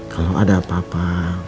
kalau ada apa apa